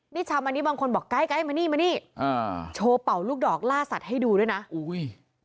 นี่ชาวมานี้บางคนบอกใกล้ใกล้มานี่มานี่อ่าโชว์เป่าลูกดอกล่าสัตว์ให้ดูด้วยนะอุ้ย